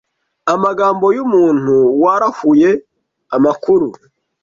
amagambo y'umuntu waruhaye amakuru